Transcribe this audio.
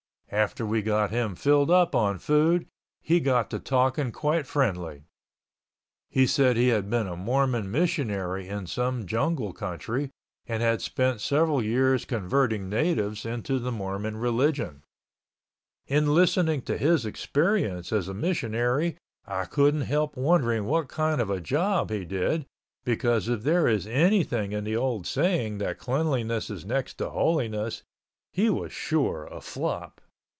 After we got him filled up on food he got to talking quite friendly. He said he had been a Mormon missionary in some jungle country and had spent several years converting natives into the Mormon religion. In listening to his experience as a missionary I couldn't help wondering what kind of a job he did, because if there is anything in the old saying that cleanliness is next to holiness he was sure a flop.